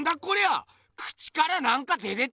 ⁉口からなんか出てっと！